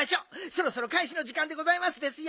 そろそろかいしのじかんでございますですよ。